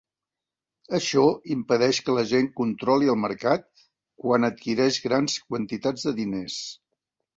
Això impedeix que la gent controli el mercat quan adquireix grans quantitats de diners.